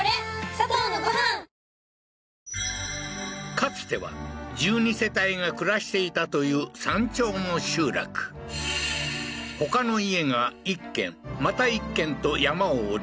かつては１２世帯が暮らしていたという山頂の集落ほかの家が１軒また１軒と山を下り